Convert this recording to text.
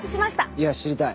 いや知りたい。